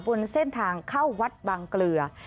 บนเส้นทางเข้าวัดบางเกลือ